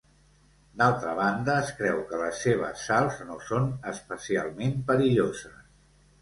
D'altra banda, es creu que les seves sals no són especialment perilloses.